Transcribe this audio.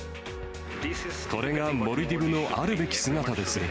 これがモルディブのあるべき姿です。